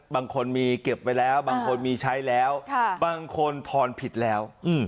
บางคนมีเก็บไว้แล้วบางคนมีใช้แล้วบางคนทอนผิดแล้ว